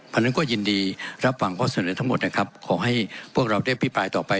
เพราะฉะนั้นก็ยินดีรับฟังข้อเสนอทั้งหมดนะครับขอให้พวกเราได้พิปรายต่อไป